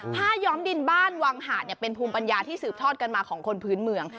ย้อมดินบ้านวังหาดเป็นภูมิปัญญาที่สืบทอดกันมาของคนพื้นเมือง